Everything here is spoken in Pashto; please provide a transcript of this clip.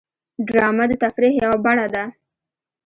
ډرامه د تفریح یوه بڼه ده